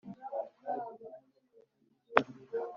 Best Regional Artiste (Central)